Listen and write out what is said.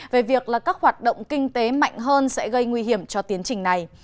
về việc là các hoạt động kinh tế mạnh hơn sẽ gây nguy hiểm cho tiến trình này